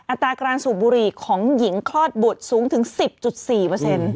ตราการสูบบุหรี่ของหญิงคลอดบุตรสูงถึง๑๐๔เปอร์เซ็นต์